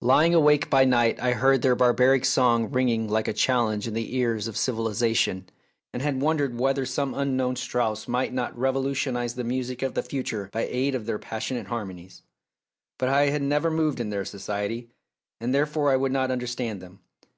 Lying awake by night I had heard their barbaric song ringing like a challenge in the ears of civilisation, and had 174 A DISTINGUISHED GUEST 175 wondered whether some unknown Strauss might not revolutionise the music of the future by aid of their passionate harmonies. But I had never moved in their society, and therefore I would not understand them.